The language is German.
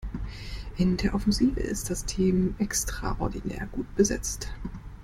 In der Offensive ist das Team extraordinär gut besetzt.